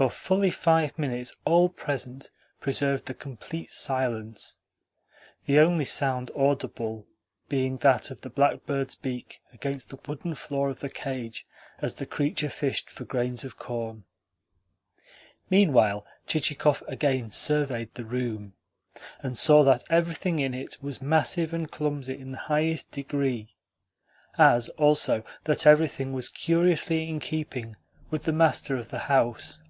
For fully five minutes all present preserved a complete silence the only sound audible being that of the blackbird's beak against the wooden floor of the cage as the creature fished for grains of corn. Meanwhile Chichikov again surveyed the room, and saw that everything in it was massive and clumsy in the highest degree; as also that everything was curiously in keeping with the master of the house.